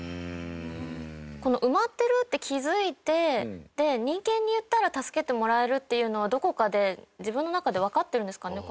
この埋まってるって気付いて人間に言ったら助けてもらえるっていうのはどこかで、自分の中でわかってるんですかね